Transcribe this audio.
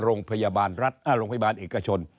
โรงพยาบาลเอกชน